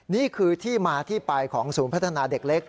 นี่คือที่มาที่ไปของศูนย์พัฒนาเด็กเล็ก